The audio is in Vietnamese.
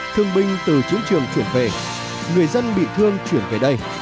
thương binh từ chiến trường chuyển về người dân bị thương chuyển về đây